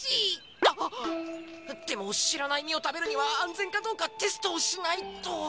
あっでもしらないみをたべるにはあんぜんかどうかテストをしないと。